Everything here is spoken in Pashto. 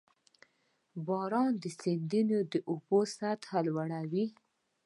• باران د سیندونو د اوبو سطحه لوړوي.